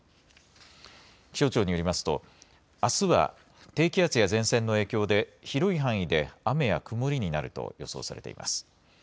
気象庁によりますと、あすは低気圧や前線の影響で、広い範囲で雨や曇りになると予想されています。